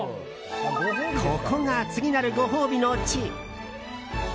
ここが次なるご褒美の地！